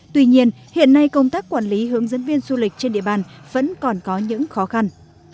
tuy nhiên hiện nay công tác quản lý hướng dẫn viên du lịch trên địa bàn vẫn còn có những khó khăn